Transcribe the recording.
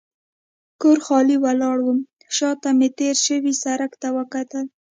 کور خالي ولاړ و، شا ته مې تېر شوي سړک ته وکتل.